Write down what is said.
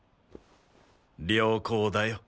良好だよ。